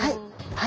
はい。